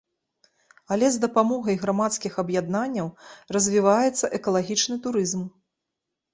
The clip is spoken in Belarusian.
Але з дапамогай грамадскіх аб'яднанняў развіваецца экалагічны турызм.